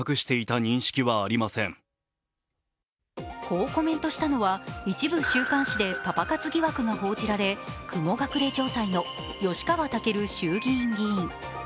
こうコメントしたのは一部週刊誌でパパ活疑惑が報じられ雲隠れ状態の吉川赳衆院議員。